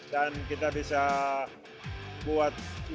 dan kita bisa buat indonesia